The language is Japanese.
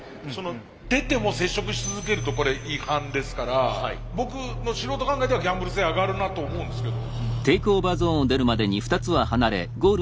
出ても接触し続けるとこれ違反ですから僕の素人考えではギャンブル性上がるなと思うんですけど。